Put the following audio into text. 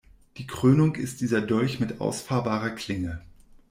Die Krönung ist dieser Dolch mit ausfahrbarer Klinge.